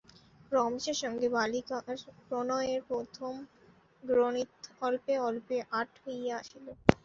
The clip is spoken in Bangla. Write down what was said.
রমেশের সঙ্গে বালিকার প্রণয়ের প্রথম গ্রনিথ অল্পে অল্পে আঁট হইয়া আসিল।